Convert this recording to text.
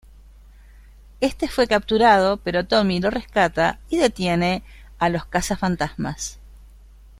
Este fue capturado; pero Tommy lo rescata y detiene a los caza-fantasmas.